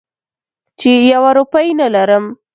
چې یوه روپۍ نه لرم.